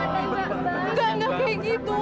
jangan enggak kayak gitu